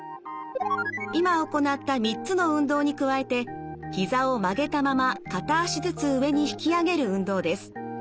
今行った３つの運動に加えてひざを曲げたまま片脚ずつ上に引き上げる運動です。